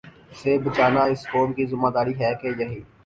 سے بچانا اس قوم کی ذمہ داری ہے کہ یہی